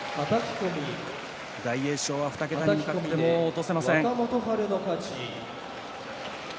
大栄翔は２桁に向けてもう落とせません。